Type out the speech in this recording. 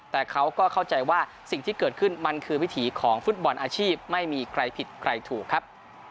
แต่เขาก็เข้าใจว่าสิ่งที่เกิดขึ้นมันคือวิถีของฟุตบอลอาชีพไม่มีใครผิดใครถูกครับ